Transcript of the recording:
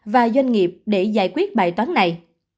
và doanh nghiệp để giải quyết bài toán này